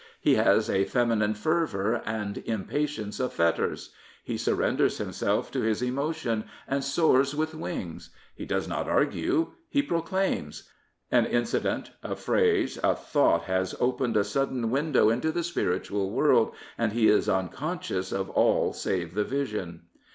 He has a feminine fervour and impatience of fetters. He surrenders himself to his emotion, and soars with wings. He does not argue; he proclaims. An incident, a phrase, a thought has opened a sudden window into the spiritual world, and he is unconscious of all save the vision.